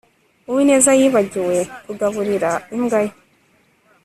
uwineza yibagiwe kugaburira imbwa ye